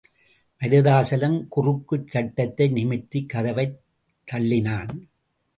மருதாசலம் குறுக்குச் சட்டத்தை நிமிர்த்திக் கதவைத் தள்ளினான்.